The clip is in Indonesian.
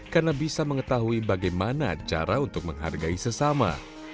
karena bisa mengetahui bagaimana cara untuk menghargai sesama